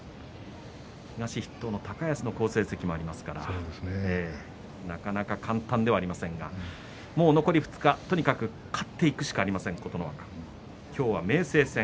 東筆頭の高安の好成績もありますからなかなか簡単ではありませんが残り２日とにかく勝っていくしかありません、琴ノ若。